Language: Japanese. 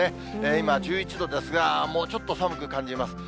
今１１度ですが、もうちょっと寒く感じます。